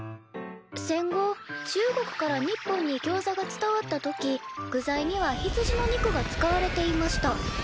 「戦後中国から日本にギョウザが伝わった時具材には羊の肉が使われていました。